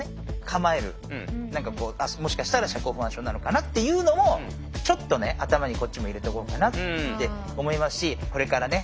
構える何かもしかしたら社交不安症なのかなっていうのをちょっとね頭にこっちも入れておこうかなって思いますしこれからね